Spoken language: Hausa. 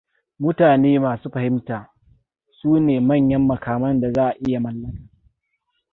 Mutane masu fahimta sune manyan makaman da za a iya mallaka.